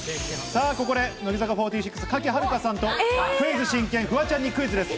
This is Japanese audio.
さぁ、ここで乃木坂４６・賀喜遥香さんと、クイズ真剣フワちゃんにクイズです。